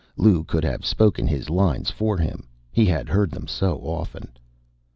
Lou could have spoken his lines for him, he had heard them so often.